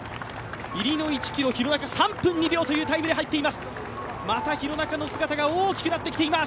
入りの１キロ３分２秒というタイムで走っています。